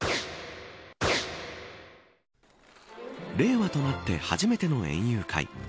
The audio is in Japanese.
令和となって初めての園遊会。